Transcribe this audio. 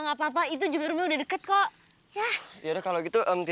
sampai jumpa di video selanjutnya